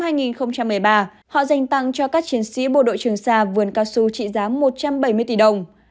năm hai nghìn một mươi ba họ dành tặng cho các chiến sĩ bộ đội trường xa vườn cao su trị giá một trăm bảy mươi tỷ đồng